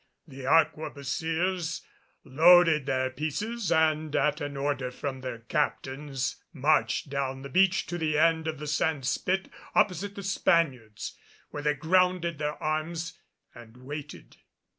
The arquebusiers loaded their pieces and at an order from their captains, marched down the beach to the end of the sand spit opposite the Spaniards, where they grounded their arms and waited.